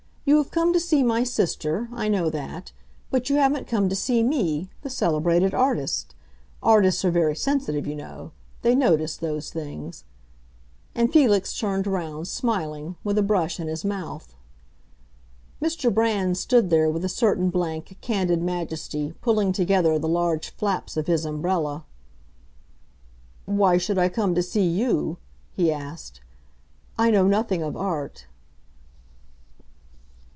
You have come to see my sister; I know that. But you haven't come to see me—the celebrated artist. Artists are very sensitive, you know; they notice those things." And Felix turned round, smiling, with a brush in his mouth. Mr. Brand stood there with a certain blank, candid majesty, pulling together the large flaps of his umbrella. "Why should I come to see you?" he asked. "I know nothing of Art."